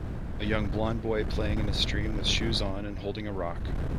A young blond boy playing in a stream with shoes on and holding a rock.